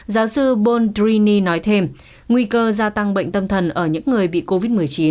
giáo sư bold drini nói thêm nguy cơ gia tăng bệnh tâm thần ở những người bị covid một mươi chín